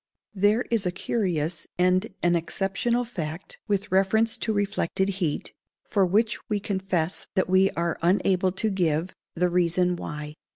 There is a curious and an exceptional fact with reference to reflected heat, for which we confess that we are unable to give "The Reason Why."